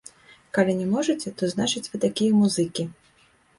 Калі не можаце, то, значыць, вы такія музыкі.